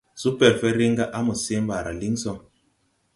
Supɛrfɛ riŋ ra ga a mo see ɓaara liŋ sɔ.